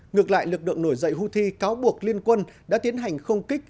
ngược lại lực lượng nổi dậy houthi cáo buộc liên quân đã tiến hành không kích